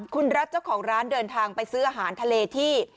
คุณรัฐเจ้าของร้านเดินทางไปซื้ออาหารทะเลที่